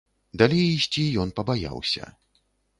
Далей ісці ён пабаяўся.